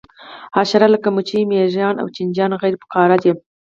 حشرې لکه مچۍ مېږیان او چینجیان غیر فقاریه دي